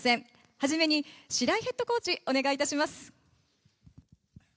初めに、白井ヘッドコーチお願いいたします。